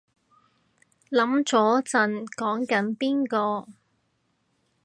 諗咗陣講緊邊個